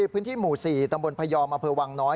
พื้นที่หมู่สี่ตำบลพญมวังน้อย